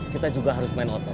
kita juga harus main motor